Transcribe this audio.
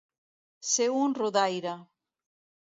Ser un rodaire.